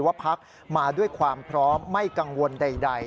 พักมาด้วยความพร้อมไม่กังวลใด